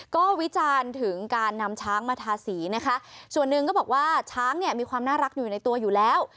ก็วิจารณ์ถึงการนำช้างมาทาสีนะคะส่วนหนึ่งก็บอกว่าช้างเนี่ยมีความน่ารักอยู่ในตัวอยู่แล้ว